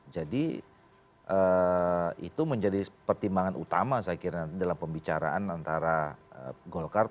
jadi itu menjadi pertimbangan utama saya kira dalam pembicaraan antara golkar